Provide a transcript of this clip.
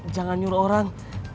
jangan nyuruh orang